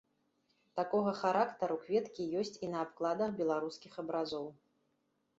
Такога характару кветкі ёсць і на абкладах беларускіх абразоў.